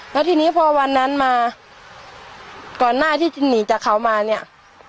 แล้วทีนี้พอวันนั้นมาก่อนหน้าที่หนีจากเขามาเนี่ย